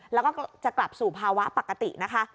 แล้วก็จะกลับสู่ภาวะปกตินะคะ